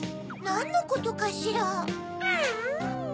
なんのことかしら？